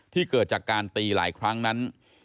เกิดจากการตีหลายครั้งนั้น